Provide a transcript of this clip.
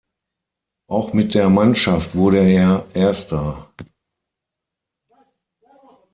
Auch mit der Mannschaft wurde er Erster.